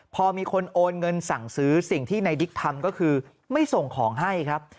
พอมีคนโอนเงินสั่งซื้อสิ่งที่ในดิ๊กทำก็คือไม่ส่งของให้ครับ